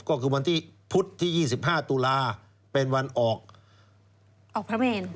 ก็คือวันที่พุธที่๒๕ตุลาเป็นวันออกพระเมน